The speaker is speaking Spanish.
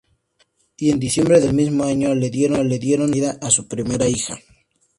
Y en diciembre del mismo año le dieron la bienvenida a su primera hija.